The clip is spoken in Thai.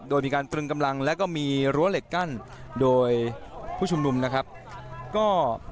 โดยมีการตรึงกำลังแล้วก็มีรั้วเหล็กกั้นโดยผู้ชุมนุมนะครับก็